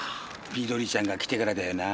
みどりちゃんが来てからだよな。